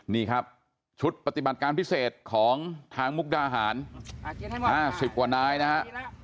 นี่ครับชุดปฏิบัติการพิเศษของทางมุกดาหารอ่ะเก็บให้หมดห้าสิบกว่าน้ายนะฮะ